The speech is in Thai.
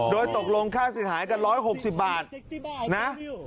โดยตกลงค่าเสียหายกัน๑๖๐บาทนะ